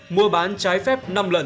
mua bán trái phép năm lần